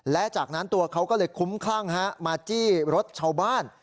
และจากนั้นตัวเขาก็เลยคุ้มคลั่งมาจี้รถชาวบ้าน